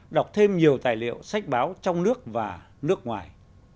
đọc thêm nhiều tài liệu sách báo trong nước và nước ngoài